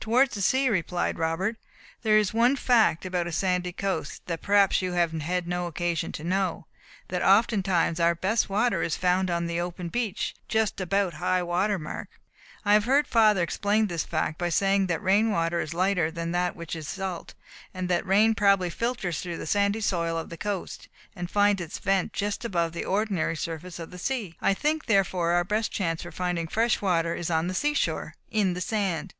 "Towards the sea," replied Robert. "There is one fact about a sandy coast, that perhaps you have had no occasion to know that oftentimes our best water is found on the open beach, just about high water mark. I have heard father explain this fact by saying that rain water is lighter than that which is salt; and that the rain probably filters through the sandy soil of the coast, and finds its vent just above the ordinary surface of the sea. I think, therefore, our best chance for finding fresh water is on the seashore, in the sand."